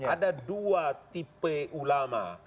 ada dua tipe ulama